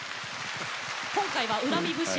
今回は「怨み節」